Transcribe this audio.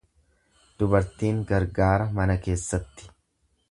Dubartiin gargaara mana keessatti.